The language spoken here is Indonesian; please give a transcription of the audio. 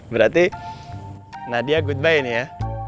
berarti nadia goodbye nih ya